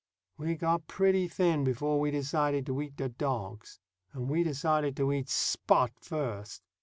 We got pretty thin before we decided to eat the dogs, and we decided to eat Spot first.